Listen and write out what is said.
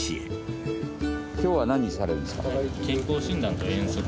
今日は何されるんですか？